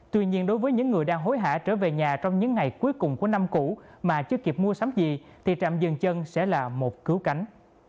tuy nhiên đối với những người đang hối hả trở về nhà trong những ngày cuối cùng của năm cũ mà chưa kịp mua sắm gì thì trạm dừng chân sẽ là một cứu cánh